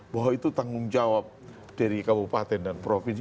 bahwa itu tanggung jawab dari kabupaten dan provinsi